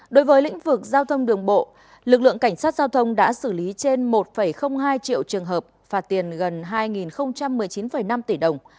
đối với lĩnh vực giao thông đường bộ lực lượng cảnh sát giao thông đã xử lý trên một hai triệu trường hợp phạt tiền gần hai một mươi chín năm tỷ đồng